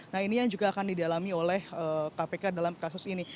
nah ini yang juga akan didalami oleh kpk dalam kasus ini